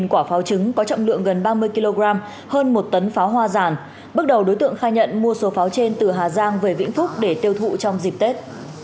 ba mươi kg hơn một tấn pháo hoa giản bước đầu đối tượng khai nhận mua số pháo trên từ hà giang về vĩnh phúc để tiêu thụ trong dịp tết